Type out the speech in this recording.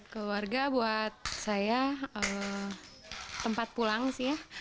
keluarga buat saya tempat pulang sih ya